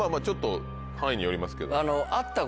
ちょっと範囲によりますけど。